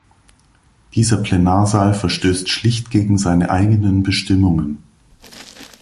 Dieser Plenarsaal verstößt schlicht gegen seine eigenen Bestimmungen.